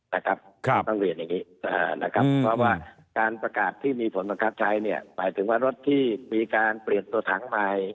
เพราะว่าการประกาศที่มีผลบังคับใช้หมายถึงว่ารถที่มีการเปลี่ยนตัวถังใหม่